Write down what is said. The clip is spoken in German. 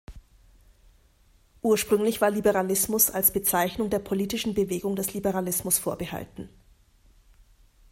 Ursprünglich war „Liberalismus“ als Bezeichnung der politischen Bewegung des Liberalismus vorbehalten.